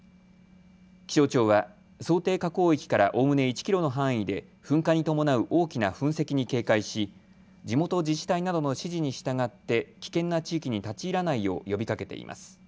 気象庁は想定火口域からおおむね１キロの範囲で噴火に伴う大きな噴石に警戒し地元自治体などの指示に従って危険な地域に立ち入らないよう呼びかけています。